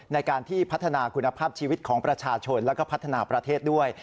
ในการที่พัฒนาคุณภาพชีวิตของประชาชนแล้วก็พัฒนาประเทศด้วย